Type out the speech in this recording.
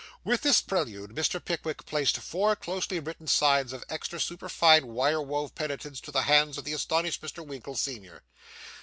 With this prelude, Mr. Pickwick placed four closely written sides of extra superfine wire wove penitence in the hands of the astounded Mr. Winkle, senior.